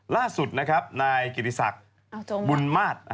ล่าสุดนะครับนายเกฤษักบุญมาตย์